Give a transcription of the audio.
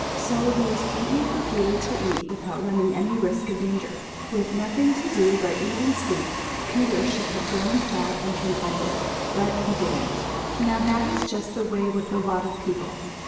So there was plenty for Peter to eat without running any risk of danger. With nothing to do but eat and sleep, Peter should have grown fat and contented. But he didn't. Now that is just the way with a lot of people.